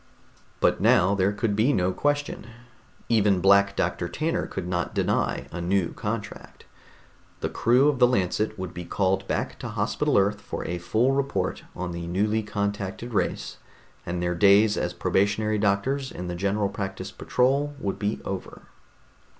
But now there could be no question. Even Black Doctor Tanner could not deny a new contract. The crew of the Lancet would be called back to Hospital Earth for a full report on the newly contacted race, and their days as probationary doctors in the General Practice patrol would be over.